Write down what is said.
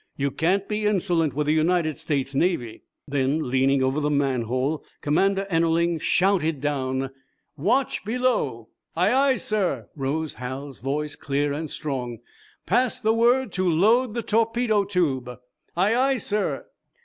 You can't be insolent with the United States Navy." Then, leaning over the manhole, Commander Ennerling shouted down: "Watch below!" "Aye, aye, sir!" rose Hal's voice, clear and strong. "Pass the word to load the torpedo tube." "Aye, aye, sir!"